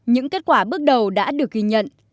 những kết quả bước đầu đã được ghi nhận